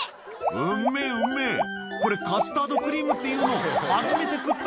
うめぇ、うめぇ、これ、カスタードクリームっていうの、初めて食った。